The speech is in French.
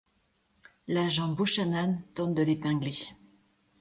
L'agent Buchanan tente de l'épingler.